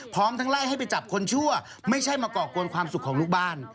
พร้อมทั้งไล่ให้ไปจับคนชั่วไม่ใช่มาก่อกวนความสุขของลูกบ้าน